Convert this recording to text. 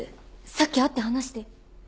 さっき会って話して。